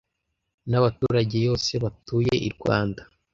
na baturage yose batuye I Rwanda